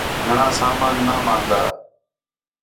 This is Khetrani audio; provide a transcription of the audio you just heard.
گھݨاں سامان نام آن٘دا